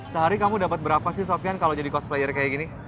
sehari kamu dapat berapa sih sofian kalau jadi cosplayer kayak gini